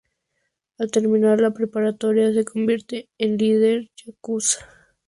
Al terminar la preparatoria se convierte en líder yakuza.